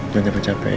jangan capek capek ya